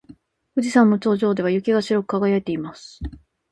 富士山の頂上は雪で白く輝いています。